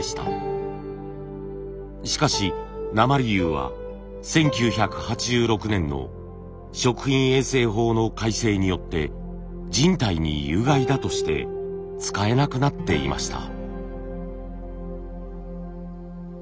しかし鉛釉は１９８６年の食品衛生法の改正によって人体に有害だとして使えなくなっていました。